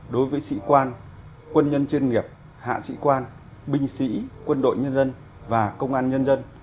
đối với sĩ quan quân nhân chuyên nghiệp hạ sĩ quan binh sĩ quân đội nhân dân và công an nhân dân